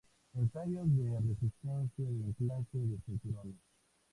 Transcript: Ensayos de resistencia de anclaje de cinturones.